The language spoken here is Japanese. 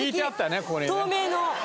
透明の。